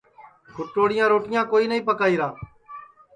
کُھٹوڑیاں روٹیاں کوئی نائی پکائیرا